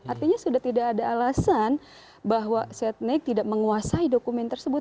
artinya sudah tidak ada alasan bahwa setnek tidak menguasai dokumen tersebut